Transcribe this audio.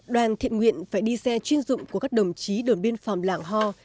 đoàn thiện nguyện phải đi xe chuyên dụng của các đồng chí đường biên phòng lạng ho